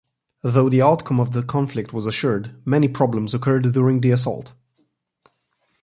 Though the outcome of the conflict was assured, many problems occurred during the assault.